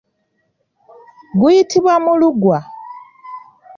Guyitibwa mulugwa.